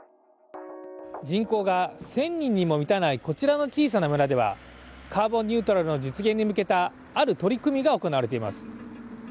人口が１０００人にも満たないこちらの小さな村ではカーボンニュートラルの実現に向けた、ある取り組みが行われています。